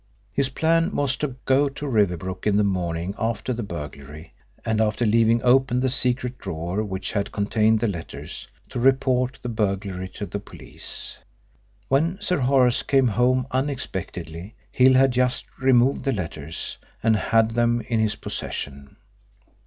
His plan was to go to Riversbrook in the morning after the burglary, and after leaving open the secret drawer which had contained the letters, to report the burglary to the police. When Sir Horace came home unexpectedly Hill had just removed the letters and had them in his possession.